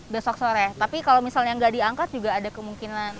besok sore tapi kalau misalnya nggak diangkat juga ada kemungkinan